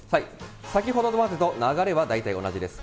先ほどまでと流れは大体同じです。